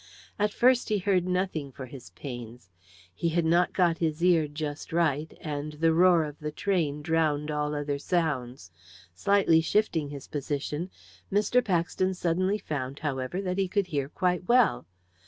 At first he heard nothing for his pains. He had not got his ear just right, and the roar of the train drowned all other sounds. Slightly shifting his position Mr. Paxton suddenly found, however, that he could hear quite well.